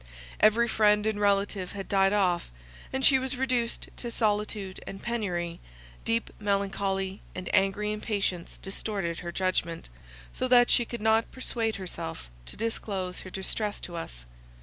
Every friend and relative had died off, and she was reduced to solitude and penury; deep melancholy and angry impatience distorted her judgment, so that she could not persuade herself to disclose her distress to us.